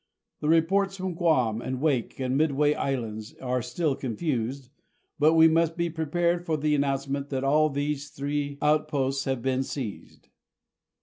The reports from Guam and Wake and Midway Islands are still confused, but we must be prepared for the announcement that all these three outposts have been seized.